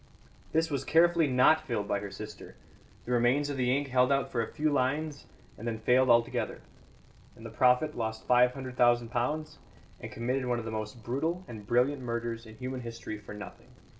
This was carefully not filled by her sister; the remains of the ink held out for a few lines and then failed altogether. And the prophet lost five hundred thousand pounds and committed one of the most brutal and brilliant murders in human history for nothing."